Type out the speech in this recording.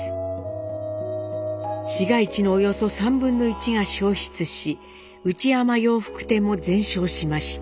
市街地のおよそ３分の１が焼失し内山洋服店も全焼しました。